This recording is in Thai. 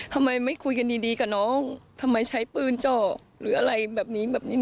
ทำไมไม่คุยกันดีกับน้องทำไมใช้ปืนเจาะหรืออะไรแบบนี้แบบนี้